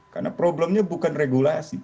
karena problemnya bukan regulasi